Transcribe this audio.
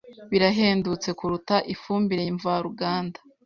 Birahendutse kuruta ifumbire mvaruganda.